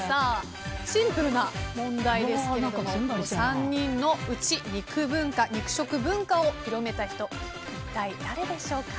シンプルな問題ですけれども３人のうち肉分化、肉食文化を広めた人、一体誰でしょうか？